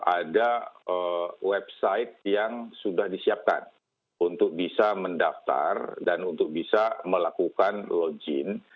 ada website yang sudah disiapkan untuk bisa mendaftar dan untuk bisa melakukan login